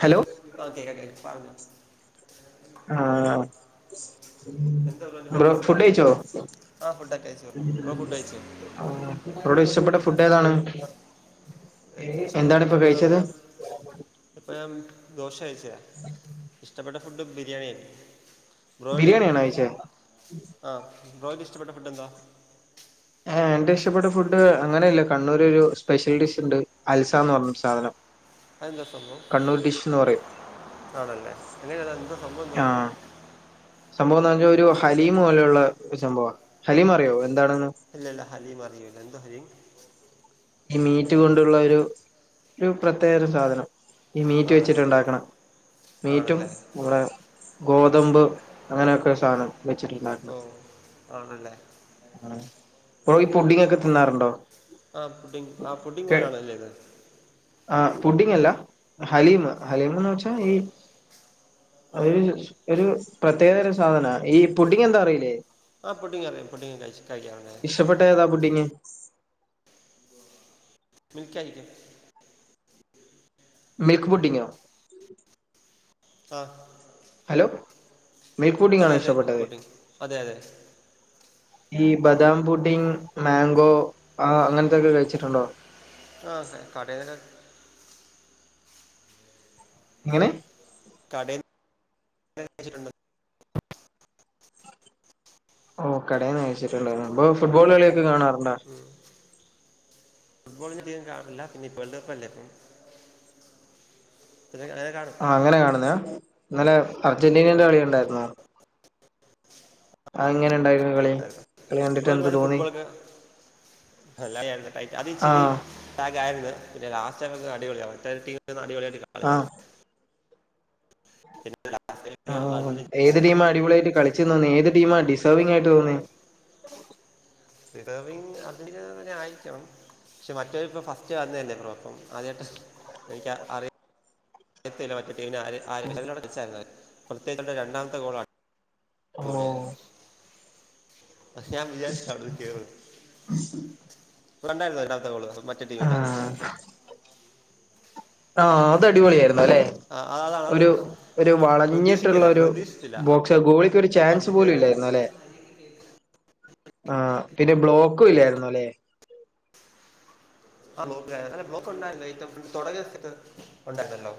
Hello ആഹ് കേക്കാം കേക്കാം പറഞ്ഞോ ആഹ് ബ്രോ ഫുഡയിച്ചോ? ആഹ് ഫുഡൊക്കയ്ച്ചു ബ്രോ ഫുഡയ്ച്ചോ? ആഹ് ബ്രോടെ ഇഷ്ടപ്പെട്ട ഫുഡ് ഏതാണ്? ഇഷ്ടപ്പെട്ട എന്താണ് ഇപ്പൊ ഫുഡ്ന്ന് കഴിച്ചത് പറഞ്ഞാ ഇപ്പോ ഞാൻ ദോശയ്ച്ചയാ ഇഷ്ടപ്പെട്ട ഫുഡ് ബിരിയാണി ബ്രോഡേയൊ ബിരിയാണിയാണോ കഴിച്ചേ ആ ബ്രോയിക്കിഷ്ടപ്പെട്ട ഫുഡ് എന്താ? ഏ എന്റെ ഇഷ്ടപ്പെട്ട ഫുഡ് അങ്ങനെയല്ല കണ്ണൂര് ഒരു സ്പെഷ്യൽ ഡിഷ് ഉണ്ട് അൽസന്ന് പറഞ്ഞൊരു സാധനം അതെന്താ സംഭവം? കണ്ണൂർ ഡിഷ് എന്ന് പറയും ആണല്ലേ എങ്ങനെയാണ് എന്താ സംഭവം എന്താ? സംഭവം എന്നാച്ചാ ഒരു ഹലീം പോലെയുള്ള ഒരു സംഭവാ. ഹലീം അറിയോ എന്താണെന്ന്? ഇല്ലല്ല ഹലീം അറിയില്ല എന്തോ ഹലീം ഈ മീറ്റ് കൊണ്ടുള്ള ഒരു ഒരു പ്രത്യേക ഒരു സാധനം ഈ മീറ്റ് ആണല്ലേ വെച്ചിട്ടുണ്ടാക്കണ മീറ്റും ആണല്ലേ നമ്മടെ ഗോതമ്പ് അങ്ങനൊക്കെ സാനം വെച്ചിട്ടുണ്ടാക്കണ ഓ ആണല്ലേ ആഹ് ബ്രോ ഈ പുഡിംങ്ങൊക്കെ തിന്നാറുണ്ടോ? ആഹ് പുഡിങ് ആ പുഡിങ് പോലെ ആണാ ഇത് ചെയ്ന്നെ? ആഹ് പുഡിങ്ങല്ല ഹലീമ് ഹലീമന്ന് വെച്ചാ ആ ഈ അത് ഒരു പ്രത്യേകതരം സാധനാ. ഈ പുഡിങ് എന്താ അറിയില്ലേ? ആഹ് പുഡ്ഡിങ്ങറിയാ പുഡ്ഡിംഗ് കഴിച്ച് കഴിക്കാറിണ്ട് ഇഷ്ടപ്പെട്ടേതാ പുഡിങ്? മിൽക്കാ [unintelligible] മിൽക്ക് പുഡിങ്ങോ? ആഹ് ഹലോ മിൽക്ക് അതെ പുഡിങ്ങാണോ അതെ ഇഷ്ടപ്പെട്ടത്? കോട്ടിങ് അതെ അതെ ഈ ബദാം പുഡിങ്, മാങ്കോ, ആ അങ്ങൻത്തൊക്കെ കഴിച്ചുട്ടുണ്ടോ? ആഹ് അതെ കടേടെ എങ്ങനെ? കട [unintelligible] ച്ചിട്ടുണ്ട് ഓ കടേന്ന് കഴിച്ചിട്ടുണ്ടന്ന് ബ്രോ ഫുട്ബോള് കളിയൊക്ക കാണാറ്ണ്ടാ? ഫുട്ബോള്ഞഅതികം കാണാറില്ല പിന്നെപ്പോ വേൾഡ് കപ്പല്ലേ ഇപ്പം [unintelligible] കാണും ആഹാ അങ്ങനെ കാണ്ന്നെ ഇന്നലെ അർജന്റീനന്റെ കളി കണ്ടായിരുന്നോ? അഹ് എങ്ങനണ്ടായിരുന്നു കളി കളി ബ്രോ കണ്ടിട്ട് എന്ത് ഒരുപാട് തോന്നി? ഫുട്ബോളൊക്കെ [unintelligible] ടൈറ്റാ ആ അത്ച്ചിരി ലാഗായിരുന്നു പിന്നെ ലാസ്റ്റങ്ങ് അടിപൊളിയ മറ്റേ എതിർ ടീമ്ന്ന് അടിപൊളിയായി കളിച്ചു ആഹ് [unintelligible] ആഹാ ഹാ അതിന് ഏത് ടീമാ അടിപൊളിയായിട്ട് കളിച്ച് തോന്നിയെ ഏത് ടീമാ ഡിസർവിംങ്ങായിട്ട് തോന്നിയെ [inaudible] ഡിസർവിംഗ് അർജൻ്റീന [unintelligible] തന്നെ ആയിരിക്കണം പക്ഷെ മറ്റൊവരിപ്പോ ഫസ്റ്റ് വന്നെല്ലേ ബ്രോ അപ്പം ആദ്യായിട്ട് എനിക്ക് അറിയ [unintelligible] രണ്ടാമത്തെ ഗോളാണ് ഹോ പക്ഷെ ഞാൻ വിചാരിച്ച അവര് കേറൂന്ന് ബ്രോ കണ്ടായിര്ന്നോ രണ്ടാമത്തെ ഗോള്? മറ്റേ ടീമിന്റെ ആഹ് ആഹ് അതടിപൊളിയായിരുന്നു ല്ലേ ആ അ- അതാണ് അത് ഒരു ഒരു പ്രതീക്ഷിക്കരുത് വളഞ്ഞിട്ടുള്ളൊരു പ്രതീക്ഷിച്ചില്ല അ- ബോക്സ് ഗോളിക്കൊരു ചാൻസ് അവിടുന്ന് കേറുമെന്ന് പോലുല്ലായിരുന്നുല്ലെ ആ പിന്നെ ബ്ലോക്കും ഇല്ലായിരുന്നുല്ലേ? [unintelligible] അല്ല ബ്ലോക്കോണ്ടായിരുന്നു [unintelligible] തൊടങ്ങിയ [unintelligible] ഉണ്ടായിരുന്നല്ലോ?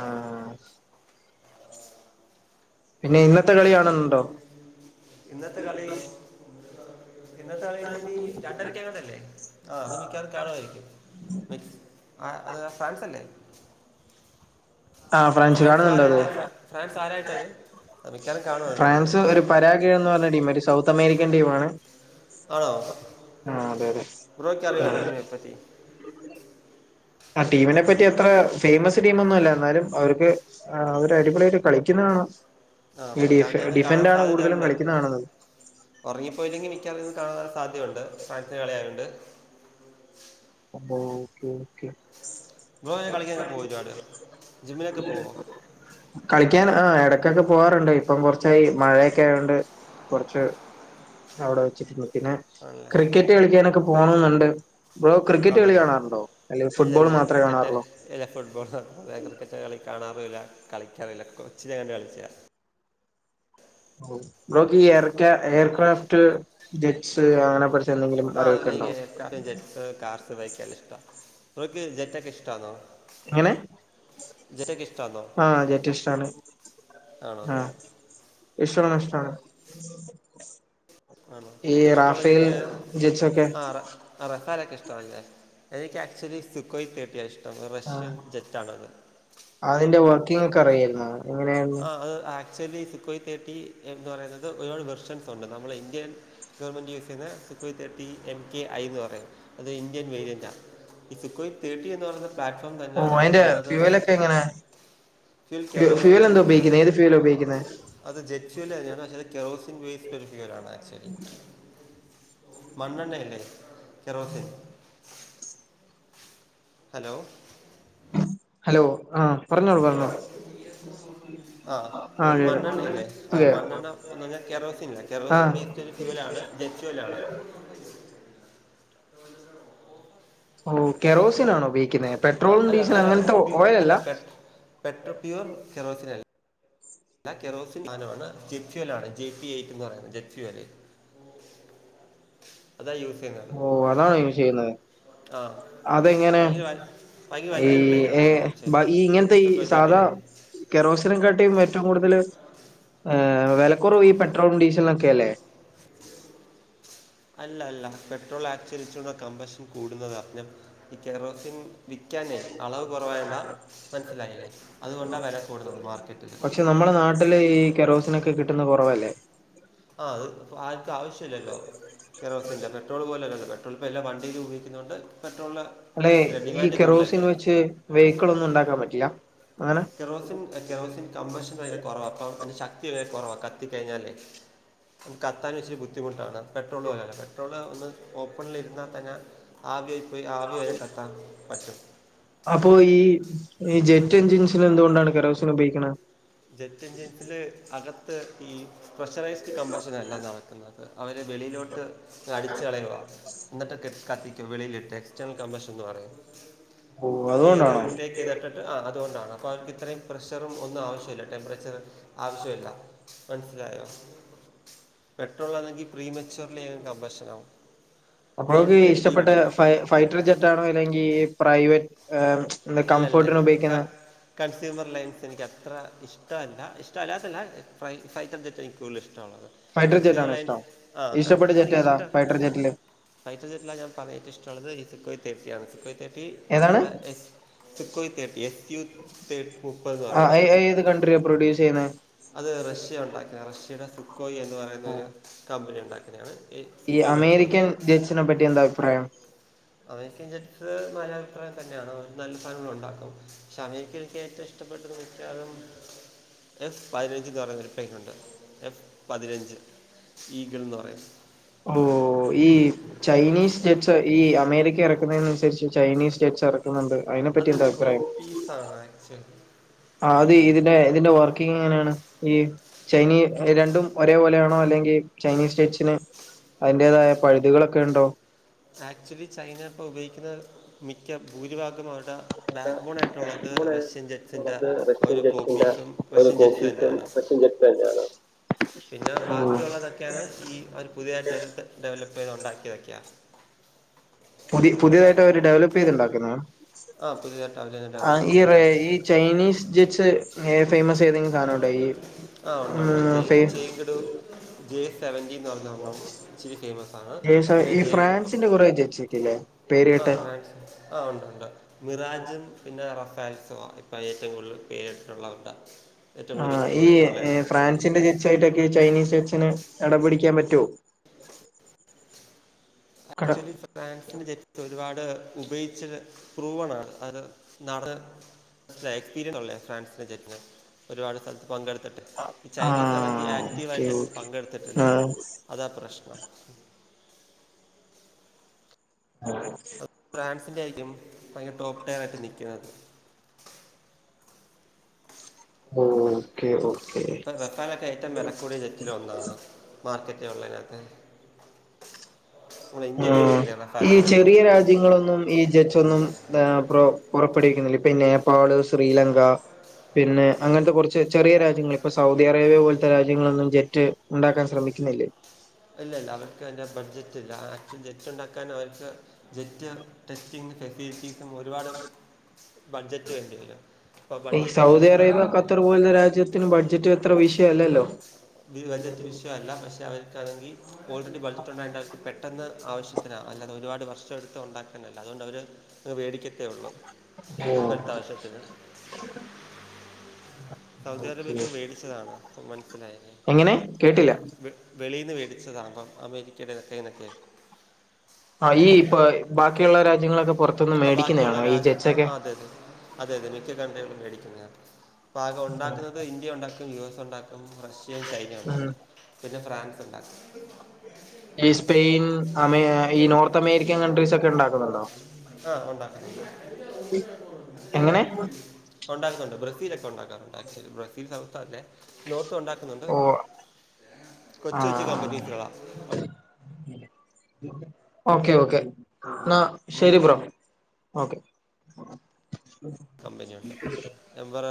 ആഹ പിന്നെ ഇന്നത്തെ കളികാണ്ന്നുണ്ടോ? ഇന്നത്തെ കളി ഇന്നത്തെകളി ഇപ്പനി രണ്ടരക്കങ്ങാണ്ടല്ലേ? ആ അത് മിക്കവാറും കാണുവായിരിക്കും [unintelligible] ആ അത് ഫ്രാൻസ്ലലേ? ആ ഫ്രാഞ്ച് ഫ്രാൻസ് കാണുന്നുണ്ടത്? ആരായിട്ടാ ഫ്രാ- ഫ്രാൻസ് ആരായിട്ടത് അത് മിക്കവാറും കാണുമോ അത് ഞാൻ ഫ്രാൻസ് ഒരു പരാഗയൊ എന്ന് പറഞ്ഞ ടീമായിട്ട് സൗത്തമേരിക്കൻ ടീമാണ് ആണോ ആഹ് അതെ അതെ ബ്രോക്കറിയോ ആ ടീമിനെ പറ്റി? ആ ടീമിനെ പറ്റിയത്ര ഫേമസ് ടീമൊന്നുഅല്ല എന്നാലും അവര്ക്ക് ആ അവരടിപൊളിയായിട്ട് കളിക്ക്ന്നെ കാണാ ആ ഈ ഡിഫ മിക്കവാറും ഞാൻ ഇന്ന് ഡിഫന്റാണ് കൂടുതലും കളിക്ക്ന്ന കാണുന്നത് ഉറങ്ങിപ്പോയില്ലെങ്കി മിക്കവാറിര്ന്ന് കാണാന്ള്ള സാധ്യയുണ്ട് ഫ്രാൻസിന്റെ കളി ആയോണ്ട് ഹോ ഓക്കെ ഓക്കെ ബ്രോ എങ്ങനെ കളിക്കൊക്കെ പോവൊരുപാട് ജിമ്മിനൊക്കെ പോവോ? കളിക്കാൻ ആ ഇടക്കൊക്കെ പോവാറ്ണ്ട് ഇപ്പം കൊറച്ചായി മഴയെക്കായോണ്ട് കൊറച്ച് അവിടെ വെച്ചിട്ടുണ്ട് പിന്നെ ആണല്ലേ ക്രിക്കറ്റ് കളിക്കാനൊക്കെ പോണെന്ന്ണ്ട് ബ്രോ ക്രിക്കറ്റ് കളി ആണല്ലേ കാണാറുണ്ടോ അല്ലെ ഇല്ല ഫുട്ബോൾ ഇല്ല ഞാൻ മാത്രമേ ക്രിക്കറ്റ് കാണാറുള്ളൂ ഇല്ല ഫുട്ബോളാ ക്രിക്കറ്റ് കളി കാണാറുല്ല, കളിക്കാറുല്ല കൊച്ച്ലങ്ങാണ്ട് കളിച്ചാ ഓ ബ്രോക്കീ എയർക്യ എയർക്രാഫ്റ്റ് ജെറ്റ്സ് അങ്ങനെ എന്തെങ്കിലും ആ അറിവൊക്കെ ഉണ്ടോ എനിക്ക് അതെ ജെറ്റ്സ് കാർഡ്സ് വൈക്കല്ലാം ഇഷ്ടാ ബ്രോക്ക് ജെറ്റൊക്കെ ഇഷ്ട്ടാന്നോ? എങ്ങനെ ഇഷ്ടമാണോ ആഹ് ജേറ്റഷ്ടാണ് ആണോ ആഹ് ഈശ്വര നഷ്ടാണ് ആണോ ഇഷ്ടമുള്ള രാഫേൽ ജച്ചൊക്കെ ആഹ് റഫാലൊക്കെ ഇഷ്ടാണല്ലേ എനിക്ക് ആക്ച്വലി സിക്കോയ് തേട്ടിയാണ് ഇഷ്ടം ആ റഷ്യൻ ജെറ്റാണത് അതിന്റെ വർക്കിങ് ഒക്കെ അിയായിരുന്നോ ആ അത് ആക്ച്വലി സിക്കോയ് തേട്ടി എന്ന് പറയുന്നത് ഒരുപാട് വെർഷൻസ് ഉണ്ട് നമ്മള് ഇന്ത്യൻ ഗവൺമെന്റ് യൂസ് ചെയ്യുന്ന Sukhoi thirty M K I എന്ന് പറയും അത് ഇന്ത്യൻ വേരിയന്റാണ് സിക്കോയ് തേർട്ടി എന്ന് പറഞ്ഞ പ്ലാറ്റ്ഫോം ഓ തന്നെ അതിന്റെ വന്നത് ഫ്യൂവലൊക്കെ എങ്ങനെ ഫിൽ കെറോസിൻ ഫ്യൂവൽ എന്താ ബേസ് ഏത് ഫീൽ ഉപോഗിക്കുന്നത് അത് ജെറ്റ് വെൽ തന്നെയാണ് പക്ഷെ അത് കെറോസിൻ വേസ്ഡ് ഒരു ഫലവർ ആണ് ആക്ച്വലി മണ്ണെണ്ണല്ലെ കെറോസിൻ ഹലോ ഹലോ ആഹ് പറഞ്ഞോളൂ പറഞ്ഞോളൂ ആഹ് അ മണ്ണണ്ണ അല്ലേ ആഹ് ഓക്കെ മണ്ണണ്ണ ഞാൻ കറോസിനിലില്ലേ കറോസിൻ ആഹ് ബേസ്ഡ് ഒരു ഫ്യൂവലാണ് ജെറ്റ് ഫ്യുവൽലാണ് ഓ കെറോസൻ ആണോ ഉപയോഗിക്കുന്നത് ആ, പെട്രോളും അല്ല ഡീസലും അങ്ങനത്തെ ഓയിൽ അല്ല പെട്രോ പെട്ര പ്യൂവർ കരോസിൻ അല്ല എന്നാ കെറോസിൻ സാനമാണ് ജെറ്റ് വലാണ് ജെ പി ഐ എന്ന് പറയുന്നത് ജെറ്റിവൽ അതാ യൂസ് ചെയ്യുന്നത് ഓ അതാണോ യുസ് ചെയ്യുന്നത് ആ അതെങ്ങനെ ഭയങ്കര വ- ഭയങ്കര ഈ വലിയൊരു ഏ പ്ലെയിനാണത് ആക്ച്വലി ഈ ഇങ്ങനത്തെ ഈ തേർട്ടി സാധാ കെറോസിനെ കാട്ടിയും ഏറ്റവും കൂടുതല് ഏഹ് വെലക്കുറവ് ഈ പെട്രോളും ഡീസലും ഒക്കെ അല്ലേ അല്ല അല്ല പെട്രോൾ ആച്ചരിച്ചുള്ള കമ്പഷൻ കൂടുന്നതാ ഞാൻ ഈ കറോസിൻ വിൽക്കാനേ അളവ് കുറവായോണ്ടാ മനസ്സിലായില്ലേ അതുകൊണ്ടാണ് വെല കൂടുന്നത് മാർക്കറ്റിൽ പക്ഷെ നമ്മുടെ നാട്ടില് ഈ കറോസിനൊക്കെ കിട്ടുന്ന കുറവല്ലേ ആഹ് അത് ആർക്കും ആവശ്യല്ലല്ലോ കെറോസിൻ പെട്രോൾ പോലെയല്ല പെ ട്രോൾ ഇപ്പോൾ എാല്ലാ വണ്ടിലും ഉപയോഗിക്കുന്നത് കൊണ്ട് പെട്രോളിന് അല്ലെ മനസ്സിലായി ഈ ഡിമാൻഡ് കെറോസിൻ കൂടുതലല്ലേ വെച്ച് വേഹിക്കിളൊന്നും ഉണ്ടാക്കാൻ പറ്റില്ല അങ്ങനെ കറോസിൻ കറോസിൻ കമ്പഷൻ ഭയങ്കര കൊറവാ അപ്പ അതിന്റെ ശക്തി ഭയങ്കര കുറവാ കത്തിക്കഴിഞ്ഞാലേ കത്താൻ ഇച്ചരി ബുദ്ധിമുട്ടാണ് പെട്രോള് പോലെ അല്ല പെട്രോള് ഒന്ന് ഓപ്പണിലിരുന്നാൽ തന്നെ ആവിയായിപ്പോയി ആവിയായി കത്താൻ പറ്റും അപ്പൊ ഈ ഈ ജെറ്റ് എഞ്ജിൻസിന് എന്തുകൊണ്ടാണ് കരൗസിന് ഉപയോഗിക്കുന്നത് ജെറ്റ് എഞ്ചിസില് അകത്ത് ഈ പ്രഷറൈസ്ഡ് കമ്പഷൻ അല്ല നടക്കുന്നത് അവര് വെളിയിലോട്ട് അടിച്ച് കളയുവാ എന്നിട്ട് ടെ കത്തിക്കും വെളിയിലിട്ട് ടെക്സ്റ്റൈൽ കമ്പഷൻ എന്ന് പറയും ഓ എയർ അതുകൊണ്ടാണോ ഇൻടേക്ക് ചെയതിട്ടിട്ട് അത് കൊണ്ടാണ് അവർക്ക് ഇത്രയും പ്രഷറും ഒന്നും ആവശ്യമില്ല ടെമ്പറേച്ചർ ആവശ്യമില്ല മനസ്സിലായോ പെട്രോളാണെങ്കിൽ പ്രീമെച്യുർലി കമ്പഷനാവും അപ്പ നമുക്ക് ഇഷ്ടപ്പെട്ട ഫ ഫൈറ്റർ ജെറ്റാണോ അല്ലെങ്കിൽ പ്രൈവറ്റ് എന്താ അല്ലല്ല കംഫോർട്ടിന് ഉപയോഗിക്കുന്ന കൺസ്യൂമർ ലയൻസ് എനിക്ക് അത്ര ഇഷ്ടമല്ല ഇഷ്ടമല്ലാത്തല്ല ഫൈറ്റർ ജെറ്റ് എനിക്ക് കൂടുതൽ ഇഷ്ടമുള്ളത് ഫൈറ്റർ ജെറ്റ് കൺസ്യൂമർ ആണോ ലൈൻ ഇഷ്ടം ആ ഇഷ്ടപ്പെട്ട ജെറ്റ് കൺസ്യൂമർനിക്ക് ഏതാ ഇഷ്ടാ ഫൈറ്റർ ജെറ്റില് ഫൈറ്റർ ജെറ്റിലാണ് ഞാൻ പറഞ്ഞ ഏ റ്റവും ഇഷ്ടുള്ളത് ഇ സിക്കോയ് തേർട്ടിയാണ് സിക്കോയ് തേർട്ടി ഏതാണ് നമ്മുടെ എസ് സിക്കോയ് തേർട്ടി എത്തിയും മുപ്പതെന്ന് പറയും അത് ഏത് കണ്ട്രിയ പ്രൊഡ്യൂസ് ചെയ്യുന്നത് അത് റഷ്യ ഉണ്ടാക്കുന്ന റഷ്യയുടെ ഫുക്കോയ് എന്ന് പറയുന്നൊരു കമ്പനി ഉണ്ടാക്കുന്നതാണ് ഈ അമേരിക്കൻ ജറ്റ്സിനെ പറ്റി എന്താ അഭിപ്രായം അമേരിക്കൻ ജെറ്റ്സ് നല്ല അഭിപ്രായം തന്നെയാണ് നല്ല ചലനങ്ങളൾ ഉണ്ടാക്കും പക്ഷെ അമേരിക്ക എനിക്ക് ഏറ്റവും ഇഷ്ടം കഷ്ടപ്പെട്ടത് വച്ച അതം എഫ് പതിനഞ്ച്ന്ന് പറയ ഒരു പൈന ഉണ്ട് എഫ് പതിനഞ്ച് ഈഗിൾന്ന് പറയും ഓ ഈ ചൈനീസ് ജെറ്റ്സ് ഈ അമേരിക്ക ഇറക്കുന്നതിനനുസരിച്ച് ചൈനീസ് ജെറ്റ്സ് ഇറ ക്കുന്നുണ്ട് അതിനെപ്പറ്റി എൻത അഭിപ്രായം സാണ്ക്ച് ആ അത് ഇതിന്റെ ഇതിന്റെ വർക്കിങ് എങ്ങനെയാണ് ഈ ചൈനീ രണ്ടും ഒരേപോലെയാണോ അല്ലെങ്കിൽ ചൈനീസ് സ്റ്റേറ്റ്സിന് അതിന്റേതായ പഴുതുകളൊക്കെ ഉണ്ടോ ആക്ച്വലി ചൈനപ്പൊ ഉപയോഗിക്കുന്ന മിക്ക ഭൂരിഭാഗം അവവിരുടെ ബാക്ക് ബോണ ആയിട്ടുള്ളത് നമ്മള് റഷ്യൻ ജെറ്റ്സിൻ്റെ അത് റഷ്യൻ ഒരു ജെറ്റിന്റെ കോപ്പീസും റഷ്യൻ ജെറ്റ്സ് തന്നെയാണ് തനെയാണ് പിന്നെ ബാക്കിയുള്ളതൊക്കെയാണ് ഈ അവര് പുതിയായിട്ട് അവർ ഡെവലപ്പ് ചെയ്ത് ഉണ്ടാക്കി വെക്ക പുതിയ പുതിയതായിട്ട് അവര് ഡെവലപ്പ് ചെയ്തുണ്ടാക്കുന്ന ആ പുതിയതായിട്ട് അവർ തന്നെ ആ ഡെവലപ്പ് ഈ ചെയ്ത് ഈ ഉണ്ടാക്കിയ ചൈനീസ് ജിറ്റ്സ് ഫേമസ് ഏതെങ്കിലും സാധനം ഉണ്ടോ ഈ ആ ഉണ്ട് ഉണ്ട് ഉം ജേ ഫേ ചേങ്കട ജെ സെവൻറീന്ന് പറഞ്ഞ നണം ഇച്ചിരി ഫേമസാണ് ജേഴ്സി പിന്നെ ഈ ജെ ഫ്രാൻസിന്റെ കുറെ ജെറ്റ്സിക്കല്ലേ ആ ഫാക് ആ് ഉണ്ട് ഉണ്ട് മിറാജും പിന്നെ റഫാൽസോ ഇപ്പൊ ഏറ്റവും കൂടുതൽ പേരിട്ടുള്ള ആൾക്കാര് ആ ഈ ഫ്രാൻസിന്റെ ജെച്ച ആയിട്ടൊക്കെ ചൈനീസ് ജെച്ചന് ഇടപിടിക്കാൻ പറ്റുവോ കട ആക്ച്ലി ഫ്രാൻസിന്റെ ജെറ്റസ് ഒരുപാട് ഉപയോഗിച്ച പ്രൂവണ അത് നട അല്ല എക്സ്പീരിയൻസ് ഒള്ളേ ഫ്രാൻസിന്റെ ജെറ്റിന് ഒരുപാട് സ്ഥലത്ത് പങ്കെടുത്തിട്ട് ഈ ചൈനീസ് ആണെങ്കിൽ ആഹ് ആക്റ്റീവ് ഓക്കെ ആയിട്ട്ങ്ങും ഓക്കെ പങ്കെടുത്തിട്ടില്ല ആഹ് അതാ പ്രശ്നം ആ ഫ്രാൻസിൻ്റെ ആയിരിക്കും ഭയങ്കര ടോപ്പ് ടെൻ ആയിട്ട് നിൽക്കുന്നത് ഓ ഓക്കെ ഓക്കെ ഇപ്പ റഫാനൊക്കെ ഏറ്റവും വിലക്കൂടിയ ജെറ്റില ഒന്നാണ് മാർക്കറ്റ ഉള്ളതിനകത്ത് നമ്മൾ ആ ഇന്ത്യ മേടിച്ചില്ലേ ഈ റഫാൽസ് ചെറിയ രാ രാജ്യങ്ങളൊന്നും ഈ ജജ ഒന്നും പുറ പുറപ്പെടുവിക്കുന്നില്ല ഇപ്പൊ നേപ്പാള്, ശ്രീലങ്ക പിന്നെ അങ്ങനത്തെ കുറച്ച് ചെറിയ രാജ്യങ്ങൾ ഇപ്പോ സൗദി അറേബ്യ പോലത്തെ രാജ്യങ്ങളൊന്നും ജെറ്റ് ഉണ്ടാക്കാൻ ശ്രമിക്കുന്നില്ലേ. ഇല്ല ഇല്ല അവർക്ക് എൻ്റെ ബഡ്ജറ്റ് ഇല്ല ആക്ച്വൽ ജെറ്റ് ഉണ്ടാക്കാൻ അവർക്ക് ജെറ്റ് ടെസ്റ്റിങ് ഫെസിലിറ്റീസും ഒരുപാട് ബഡ്ജറ്റ് വേണ്ടില്ല. ഈ സൗദി അറേബ്യ ഖത്തർ പോലുള്ള രാജ്യത്തിന് ബഡ്ജറ്റ് അത്ര വിഷയ അല്ലല്ലോ. [unintelligible] ബഡ്ജറ്റ് വിഷയ അല്ല. പക്ഷെ അവര് ക്കാണെങ്കി ഓൾറെഡി ബഡ്ജറ്റ്ണ്ട്. [unintelligible] അവർക്ക് പെട്ടെന്ന് ആവശ്യത്തിനാ അല്ലാണ്ട് ഒരുപാട് വർഷം എടുത്ത് ഉണ്ടാ ത്തന്നല്ല അതുകൊണ്ടവര് അങ്ങ് വേടിക്കത്തേ ഒള്ളൂ ഓ സൗദി ഓക്കെ അറേബ്യക്ക് വേടിച്ചതാണ് അപ്പ മനസ്സിലായില്ലേ എങ്ങനെ കേട്ടില്ല വ വെളീന്ന് വേടിച്ചതാമ്പം അമേരിക്കേടെ ത്ക്കെങ്ങനെ ആഹാ ഈ ഇപ്പ ബാക്കിയുള്ള രാജ്യങ്ങളൊക്കെ പുറത്തൊന്ന് ആ ബാക്കിയുള്ള മേടിക്കുന്നയാണോ? ഈ രാജ ആ ജെച്ചൊക്കെ? ആ, അതെ അതെ അതെ അതെ മിക്ക കൺട്രികളും മേടിക്കുന്നെആണ്, ആകെ ഉണ്ടാക്കുന്നത് ഇന്ത്യ ഉണ്ടാക്കും യു എസ് ഉണ്ടാക്കും റഷ്യ. യും ചൈന ഉം ഉണ്ടാക്കും പിന്നെ ഫ്രാൻസ് ഉണ്ടാക്കും. ഈ സ്പെയിൻ അമേ ഈ നോർത്ത് അമേരിക്കൻ കൺട്രീസ് ഒക്കെ ഉണ്ടാക്കും. ആഹാ ഉണ്ടാക്കും. എങ്ങനെ ഉണ്ടാകുന്നുണ്ട് ബ്രസീല ഒക്കെ- ഉണ്ടാക്കാറുണ്ട് ആച്ചുവലി ബ്രസീൽ സൗത്ത് അല്ലേ? നോർത്ത് ഉണ്ടാക്കുന്നുണ്ട് ഓ ആ കോച്ച് കൊച്ചു കമ്പനിസ്കളാ [unintelligible] ഓക്കെ ഓക്കെ എന്നാ ശരി ബ്രോ ഓക്കെ കമ്പനിയുണ്ട് ജബ്ബാറാ